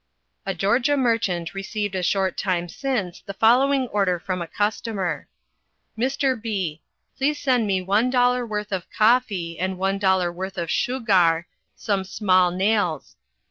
A Georgia merchant received a short time since the following order from a customer: "Mr. B , please send me $1 worth of coffy and $1 worth of shoogar, some small nales.